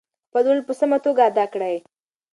خپل رول په سمه توګه ادا کړئ.